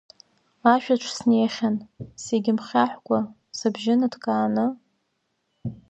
Ашә аҿы снеихьан, сегьымхьаҳәкәа, сыбжьы ныҭкааны…